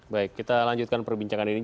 baik kita lanjutkan perbincangan ini